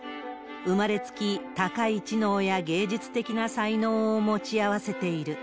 生まれつき高い知能や芸術的な才能を持ち合わせている。